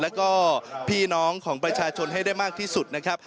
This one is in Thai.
แล้วก็พี่น้องของประชาชนให้ได้มากที่สุดนะครับ